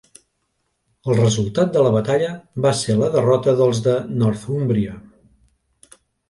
El resultat de la batalla va ser la derrota dels de Northúmbria.